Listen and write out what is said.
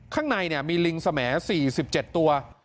ข้างในมีลิงสม๔๗ตัว